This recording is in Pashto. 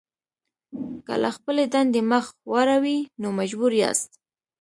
که له خپلې دندې مخ واړوئ نو مجبور یاست.